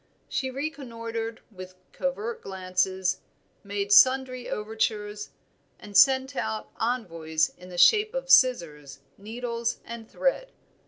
She reconnoitered with covert glances, made sundry overtures, and sent out envoys in the shape of scissors, needles, and thread.